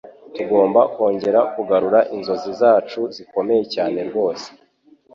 Tugomba kongera kugarura inzozi zacu zikomeye cyane rwose